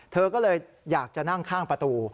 เธอก็เลยอยากจะนั่งข้างประตู